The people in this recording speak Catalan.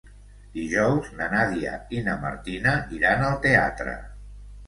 Dijous na Nàdia i na Martina iran al teatre.